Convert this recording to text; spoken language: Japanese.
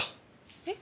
えっ？